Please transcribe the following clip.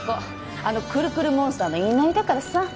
あのクルクルモンスターの言いなりだからさ